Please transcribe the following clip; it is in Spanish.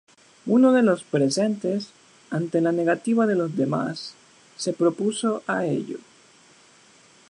Uno de los presentes, ante la negativa de los demás, se propuso a ello.